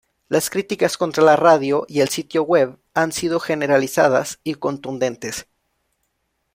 Las críticas contra la radio y el sitio web han sido generalizadas y contundentes.